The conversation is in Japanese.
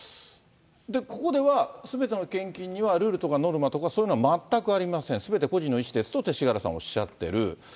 で、ここでは、すべての献金には、ルールとかノルマとか、そういうのは全くありません、すべて個人の意思ですと、勅使河原さんおっしゃってる。